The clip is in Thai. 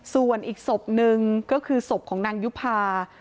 ส่วนอีกศพหนึ่งก็คือศพของนางยุภา